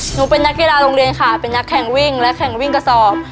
หนูเป็นนักกีฬาโรงเรียนค่ะเป็นนักแข่งวิ่งและแข่งวิ่งกระสอบ